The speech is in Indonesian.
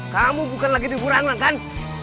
kamu bukan lagi di gurang rang kan